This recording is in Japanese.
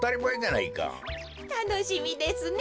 たのしみですね。